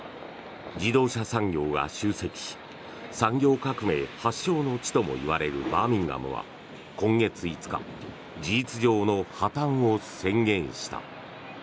自動車産業が集積し産業革命発祥の地ともいわれるバーミンガムは今月５日事実上の破たんを宣言した。